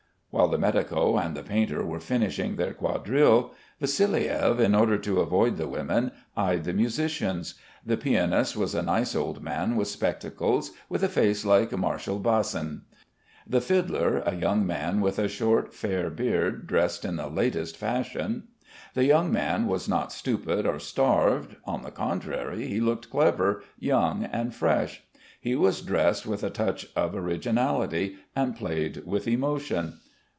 While the medico and the painter were finishing their quadrille, Vassiliev, in order to avoid the women, eyed the musicians. The pianist was a nice old man with spectacles, with a face like Marshal Basin; the fiddler a young man with a short, fair beard dressed in the latest fashion. The young man was not stupid or starved, on the contrary he looked clever, young and fresh. He was dressed with a touch of originality, and played with emotion.